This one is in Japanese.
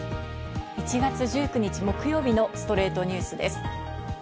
１月１９日、木曜日の『ストレイトニュース』です。